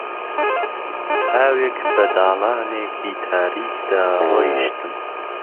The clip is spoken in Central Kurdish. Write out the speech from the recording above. تاوێک بە داڵانێکی تاریکدا ڕۆیشتم